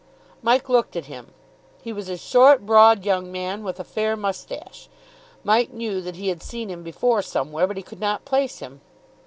Mike looked at him. He was a short, broad young man with a fair moustache. Mike knew that he had seen him before somewhere, but he could not place him.